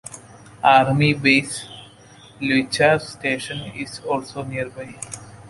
Army base Leuchars Station is also nearby.